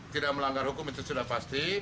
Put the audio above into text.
tidak melanggar hukum itu sudah pasti